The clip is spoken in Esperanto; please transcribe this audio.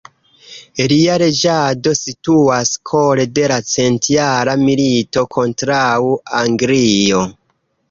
Lia reĝado situas kore de la Centjara milito kontraŭ Anglio.